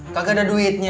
kagak ada duitnya